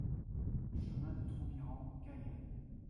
Chemin de Troubiran, Cayenne